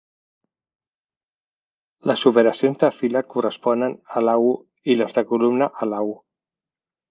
Les operacions de fila corresponen a la "U" i les de columna, a la "U".